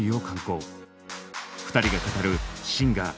２人が語るシンガー